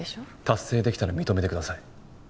達成できたら認めてください。